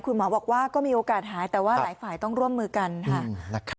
คุณหมอบอกว่าก็มีโอกาสหายแต่ว่าหลายฝ่ายต้องร่วมมือกันค่ะ